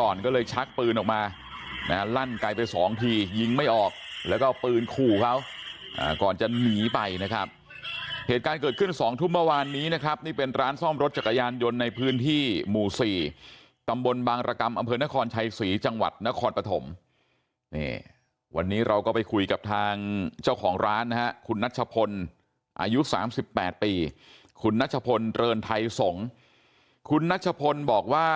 ก่อนก็เลยชักปืนออกมานะลั่นไกลไปสองทียิงไม่ออกแล้วก็เอาปืนขู่เขาก่อนจะหนีไปนะครับเหตุการณ์เกิดขึ้น๒ทุ่มเมื่อวานนี้นะครับนี่เป็นร้านซ่อมรถจักรยานยนต์ในพื้นที่หมู่๔ตำบลบางรกรรมอำเภอนครชัยศรีจังหวัดนครปฐมนี่วันนี้เราก็ไปคุยกับทางเจ้าของร้านนะฮะคุณนัชพลอายุ๓๘ปีคุณนัชพลเรินไทยสงฆ์คุณนัชพลบอกว่า